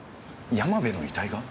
山部の遺体が？